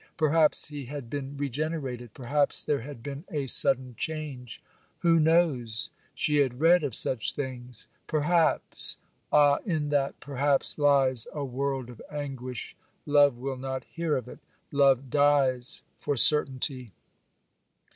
Perhaps he had been regenerated,—perhaps there had been a sudden change;—who knows?—she had read of such things;—perhaps——Ah, in that perhaps lies a world of anguish! Love will not hear of it. Love dies for certainty.